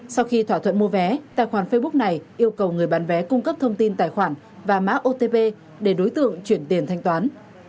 sau khi thỏa thuận mua vé tài khoản facebook này yêu cầu người bán vé cung cấp thông tin tài khoản và mã otp để đối tượng chuyển tiền thanh toán